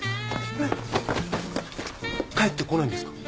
帰ってこないんですか？